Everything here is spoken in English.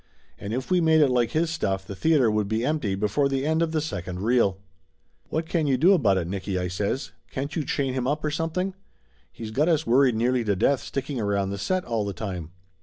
And if we made it like his stuff the theater would be empty before the end of the second reel !" "What can you do about it, Nicky?" I says. "Can't you chain him up or something? He's got us worried nearly to death sticking around the set all the time."